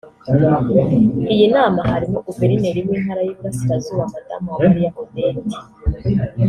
Iyi nama harimo Guverineri w’Intara y’Iburasirazuba Madamu Uwamariya Odette